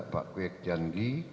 pak kwek tiangi